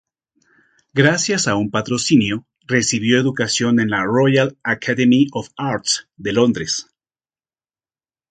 Gracias a un patrocinio recibió educación en la "Royal Academy of Arts" de Londres.